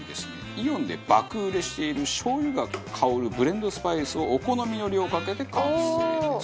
イオンで爆売れしている醤油が香るブレンドスパイスをお好みの量かけて、完成です。